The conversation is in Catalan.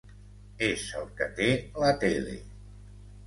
És el que té la tele.